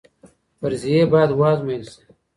فرضیې بايد وازمویل سي.